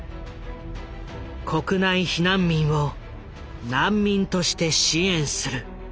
国内避難民を難民として支援する。